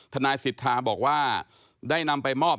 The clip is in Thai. ทนายสิทธาบอกว่าได้นำไปมอบ